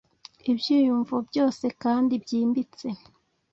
ibyiyumvo byose kandi byimbitse